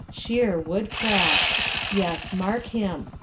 Sheer woodcraft! Yes, mark him.